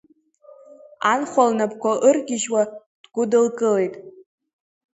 Анхәа лнапқәа ыргьыжьуа дгәыдылкылеит.